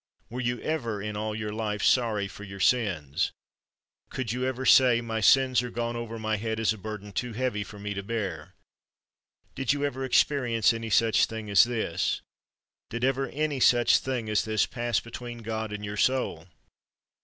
Were you ever in all your life sorry for your sins ? Could you ever say, My sins are gone over my head as a burden too heavy for me to bear ? Did you ever experience any such thing as this? Did ever any such thing as this pass between God and your soul?